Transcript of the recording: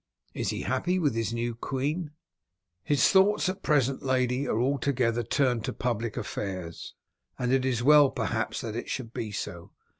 Is he happy with his new queen?" "His thoughts at present, lady, are altogether turned to public affairs, and it is well perhaps that it should be so.